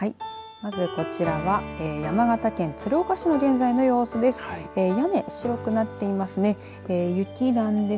まずこちらは山形県鶴岡市の現在の様子です。